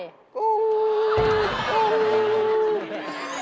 กุ้ง